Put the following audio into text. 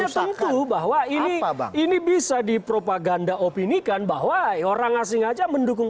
dampak luasnya tentu bahwa ini bisa dipropaganda opinikan bahwa orang asing saja mendukung